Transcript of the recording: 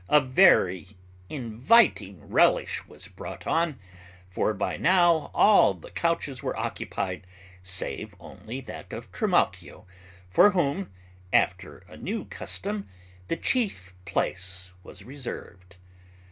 A very inviting relish was brought on, for by now all the couches were occupied save only that of Trimalchio, for whom, after a new custom, the chief place was reserved.